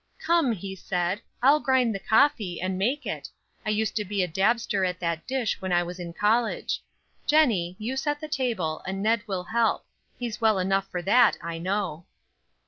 'Come,' he said, 'I'll grind the coffee, and make it; I used to be a dabster at that dish when I was in college. Jennie, you set the table, and Ned will help; he's well enough for that, I know.'